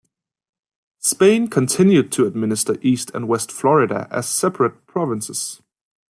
Spain continued to administer East and West Florida as separate provinces.